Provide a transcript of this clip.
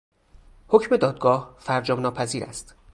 حکم دادگاه فرجام ناپذیر است.